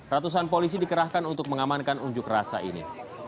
ratusan polisi dikerahkan untuk mengamankan unjuk rasa ini